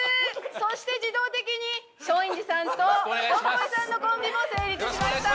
そして自動的に松陰寺さんとどっこいさんのコンビも成立しました。